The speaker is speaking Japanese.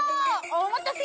お待たせ！